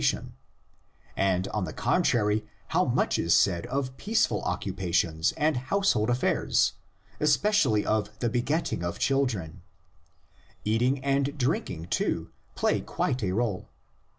tion, and on the contrary how much is said of peace ful occupations and household affairs, especially of the begetting of children; eating and drinking, too, play quite a role.